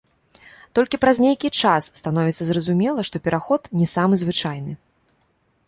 Толькі праз нейкі час становіцца зразумела, што пераход не самы звычайны.